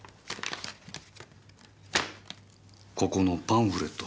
ここのパンフレット。